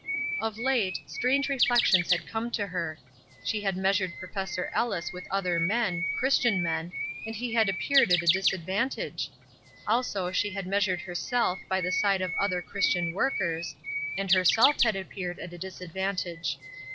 Of late, strange reflections had come to her. She had measured Professor Ellis with other men, Christian men, and he had appeared at a disadvantage. Also she had measured herself by the side of other Christian workers, and herself had appeared at a disadvantage.